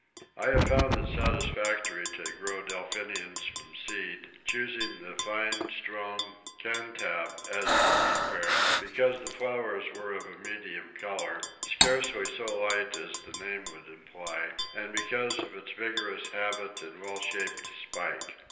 I have found it satisfactory to grow Delphiniums from seed, choosing the fine strong "Cantab" as the seed parent, because the flowers were of a medium colour scarcely so light as the name would imply and because of its vigorous habit and well shaped spike.